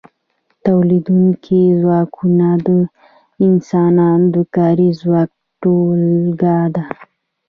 تولیدونکي ځواکونه د انسانانو د کاري ځواک ټولګه ده.